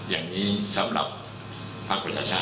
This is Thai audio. อย่างนี้สำหรับภักดิ์ประชา